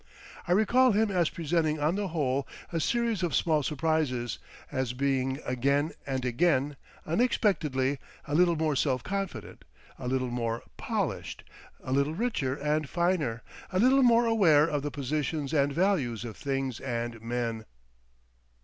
I recall him as presenting on the whole a series of small surprises, as being again and again, unexpectedly, a little more self confident, a little more polished, a little richer and finer, a little more aware of the positions and values of things and men.